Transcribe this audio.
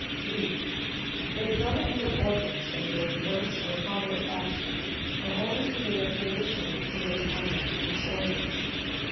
(3) The development of organs, and their force or power of action, are always in direct relation to the em ployment of these organs.